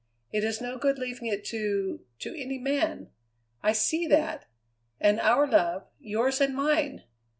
It is no good leaving it to to any man. I see that! And our love, yours and mine!